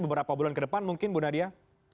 beberapa bulan ke depan mungkin bu nadia